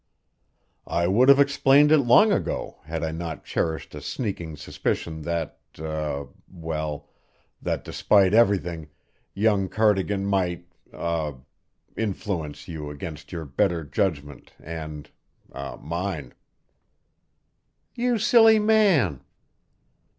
"I would have explained it long ago had I not cherished a sneaking suspicion that er well, that despite everything, young Cardigan might er influence you against your better judgment and er mine." "You silly man!"